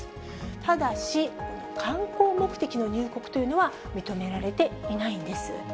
ただし、観光目的の入国というのは認められていないんです。